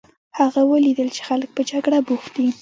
هغه ولیدل چې خلک په جګړه بوخت دي.